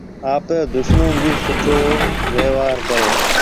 آپرَي دُشمنون هون ڀِي سُٺو ويهوار ڪرو۔